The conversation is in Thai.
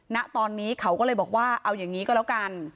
ณตอนนี้เขาก็เลยบอกว่าเอาอย่างนี้ก็แล้วกัน